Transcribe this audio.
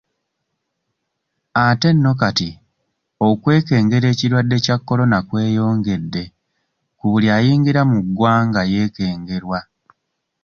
Ate nno kati okwekengera ekirwadde kya Corona kweyongedde ku buli ayingira mu ggwanga yeekengerwa.